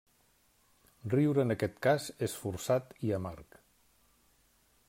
Riure en aquest cas és forçat i amarg.